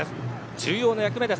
重要な役目です。